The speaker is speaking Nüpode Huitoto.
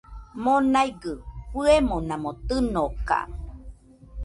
Monaigɨ fɨemonamo tɨnoka